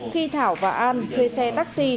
khi thảo và an thuê xe taxi